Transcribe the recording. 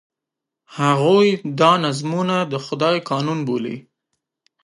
هغوی دا نظمونه د خدای قانون بولي.